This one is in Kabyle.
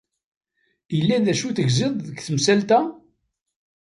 Yella d acu tegziḍ deg tmsalt-a?